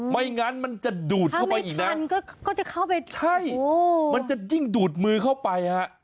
ไม่งั้นมันจะดูดเข้าไปอีกนะใช่มันจะยิ่งดูดมือเข้าไปฮะ